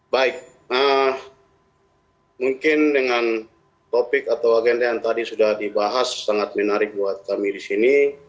baik mungkin dengan topik atau agenda yang tadi sudah dibahas sangat menarik buat kami di sini